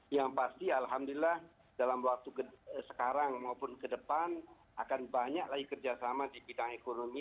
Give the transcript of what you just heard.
yang pasti alhamdulillah dalam waktu sekarang maupun ke depan akan banyak lagi kerjasama di bidang ekonomi